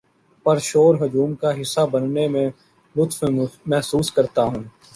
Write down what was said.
پر شور ہجوم کا حصہ بننے میں لطف محسوس کرتا ہوں